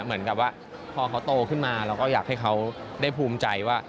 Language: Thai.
เหมือนกับว่าพอเขาโตขึ้นมาเราก็อยากให้เขาได้ภูมิใจว่า